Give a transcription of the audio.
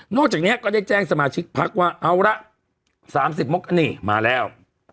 จากนี้ก็ได้แจ้งสมาชิกพักว่าเอาละ๓๐มกนี่มาแล้ว